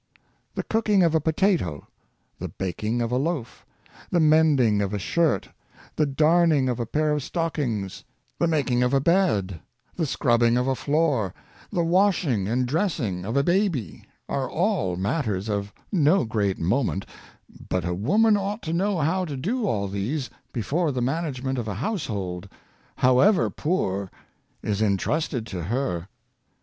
The cooking of a potato, the baking of a loaf, the mending of a shirt, the darning of a pair of stockings, the making of a bed, the scrubbing of a floor, the washing and dressing of a baby, are all matters of no great moment, but a woman ought to 52 ^ Knowledge of Physiology. know how to do all these before the management of a household, however poor, is entrusted to her.